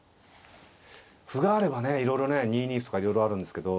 歩があればねいろいろね２二歩とかいろいろあるんですけど。